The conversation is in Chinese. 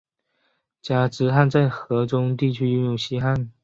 加兹罕在河中地区拥立新汗。